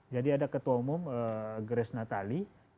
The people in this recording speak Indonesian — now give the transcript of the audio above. jadi ada ketua umum grace nathalie